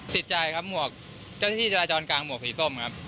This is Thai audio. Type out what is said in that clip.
สิทธิ์ใจครับเจ้าที่จราจรกางว่าหมวกสีส้มครับ